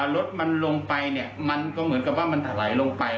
รถมันลงไปเนี่ยมันก็เหมือนกับว่ามันถลายลงไป